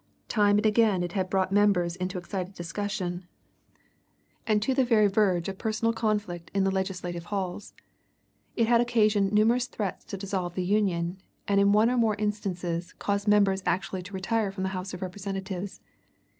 Time and again it had brought members into excited discussion, and to the very verge of personal conflict in the legislative halls. It had occasioned numerous threats to dissolve the Union, and in one or more instances caused members actually to retire from the House of Representatives.